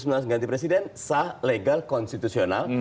gerakan dua ribu sembilan belas ganti presiden sah legal konstitusional